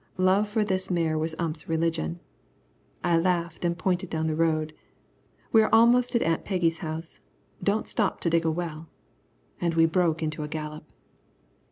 Love for this mare was Ump's religion. I laughed and pointed down the road. "We are almost at Aunt Peggy's house. Don't stop to dig a well." And we broke into a gallop.